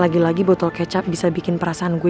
lagi lagi botol kecap bisa bikin perasaan gue